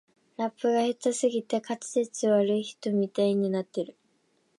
ラップが下手すぎて滑舌悪い人みたいになってる